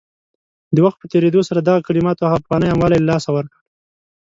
د وخت په تېرېدو سره دغه کلماتو هغه پخوانی عام والی له لاسه ورکړ